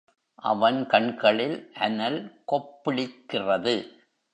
அவன் கண்களில் அனல் கொப்புளிக்கிறது.